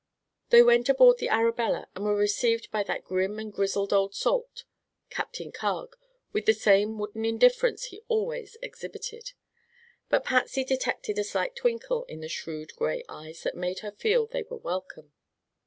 They went aboard the Arabella and were received by that grim and grizzled old salt, Captain Carg, with the same wooden indifference he always exhibited. But Patsy detected a slight twinkle in the shrewd gray eyes that made her feel they were welcome.